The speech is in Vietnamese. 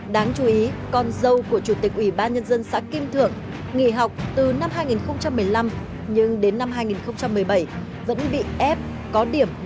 đáng chú ý con dâu của chủ tịch ủy ban nhân dân xã kim thượng nghỉ học từ năm hai nghìn một mươi năm